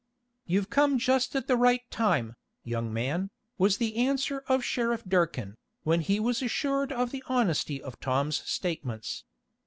"You've come just at the right time, young man," was the answer of Sheriff Durkin, when he was assured of the honesty of Tom's statements.